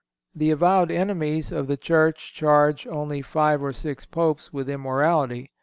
The avowed enemies of the Church charge only five or six Popes with immorality.